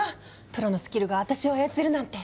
プロのスキルが私を操るなんて。